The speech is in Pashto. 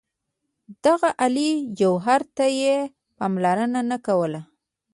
دغه عالي جوهر ته یې پاملرنه نه کوله.